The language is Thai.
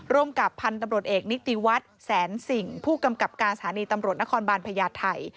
ร่วมกับพันธุ์ตำรวจเอกนิติวัฒน์แสนสิ่งผู้กำกับการสถานีตำรวจนครบาลพญาไทย